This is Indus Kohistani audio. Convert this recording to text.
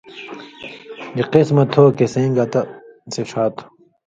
گی قِسمہ تھو سَیں گتہ سِڇھاتھو۔